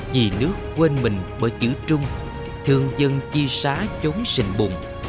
vì nước quên mình bởi chữ trung thường dân chi xá chốn sinh bụng